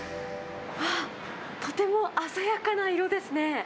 ああ、とても鮮やかな色ですね。